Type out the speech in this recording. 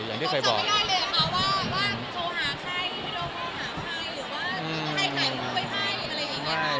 อย่างที่เคยบอกว่าโทรหาใครหรือว่าอืม